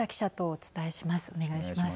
お願いします。